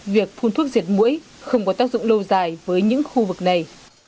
việc phun thuốc diệt mũi không có tác dụng lâu dài với những khu vực này